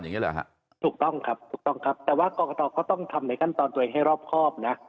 อย่างนี้เหรอฮะถูกต้องครับถูกต้องครับแต่ว่ากรกตก็ต้องทำในขั้นตอนตัวเองให้รอบครอบนะ